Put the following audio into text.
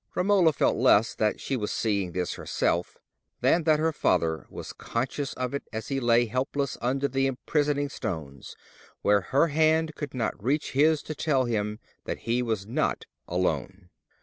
Romola felt less that she was seeing this herself than that her father was conscious of it as he lay helpless under the imprisoning stones, where her hand could not reach his to tell him that he was not alone.